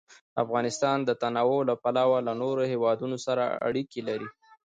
افغانستان د تنوع له پلوه له نورو هېوادونو سره اړیکې لري.